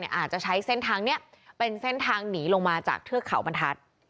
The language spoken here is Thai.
อาจจะใช้เส้นทางนี้เป็นเส้นทางหนีลงมาจากเทือกเขาบรรทัศน์